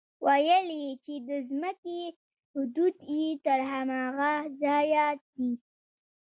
ويل يې چې د ځمکې حدود يې تر هماغه ځايه دي.